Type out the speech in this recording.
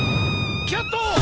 キャット！！